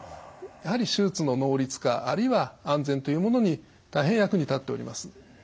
やはり手術の能率化あるいは安全というものに大変役に立っております。